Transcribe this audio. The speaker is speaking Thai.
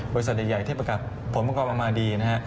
บริษัทใหญ่ที่ประกาศผลประกอบออกมาดีนะฮะ